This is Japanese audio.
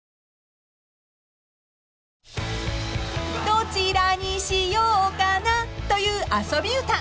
［「どちらにしようかな」という遊び歌］